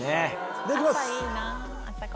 いただきます。